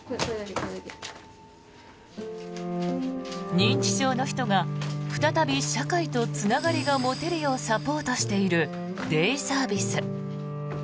認知症の人が再び社会とつながりが持てるようサポートしているデイサービス。